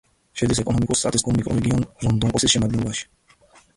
შედის ეკონომიკურ-სტატისტიკურ მიკრორეგიონ რონდონოპოლისის შემადგენლობაში.